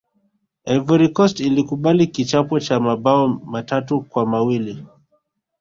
ivory coast ilikubali kichapo cha mabao matatu kwa mawili